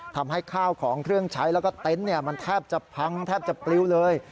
ทำให้ข้าวของเครื่องใช้แล้วก็เต็นต์มันแทบจะพังแทบจะปลิวเลย